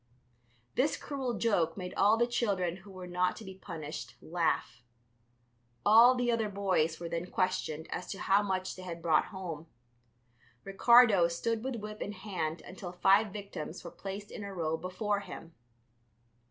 This cruel joke made all the children who were not to be punished laugh. All the other boys were then questioned as to how much they had brought home. Ricardo stood with whip in hand until five victims were placed in a row before him.